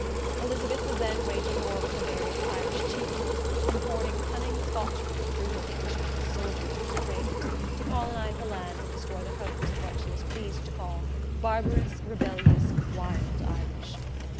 Elizabeth was then waging war with the various Irish chieftains, importing cunning Scotchmen and brutal Englishmen as soldiers and traders to colonize the lands and destroy the homes of what she was pleased to call "Barbarous, rebellious, wild Irish."